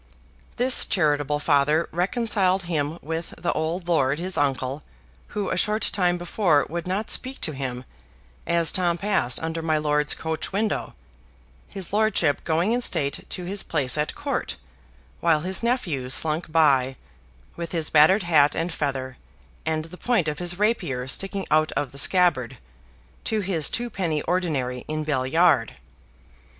This charitable father reconciled him with the old lord, his uncle, who a short time before would not speak to him, as Tom passed under my lord's coach window, his lordship going in state to his place at Court, while his nephew slunk by with his battered hat and feather, and the point of his rapier sticking out of the scabbard to his twopenny ordinary in Bell Yard.